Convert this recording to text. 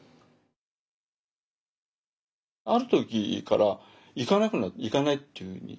ある時から行かないっていうふうに。